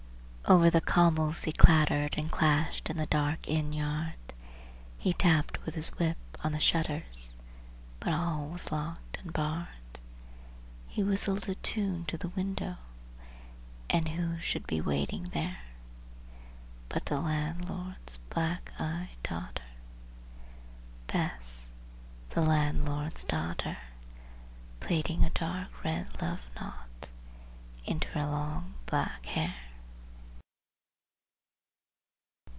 Over the cobbles he clattered and clashed in the dark inn yard, He tapped with his whip on the shutters, but all was locked and barred, He whistled a tune to the window, and who should be waiting there But the landlord's black eyed daughter Bess, the landlord's daughter Plaiting a dark red love knot into her long black hair.